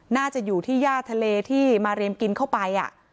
น่าจะอยู่ที่ย่าทะเลที่มาเรียมกินเข้าไป